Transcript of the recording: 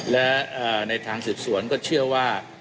และในทางสืบสวนก็เชื่อว่า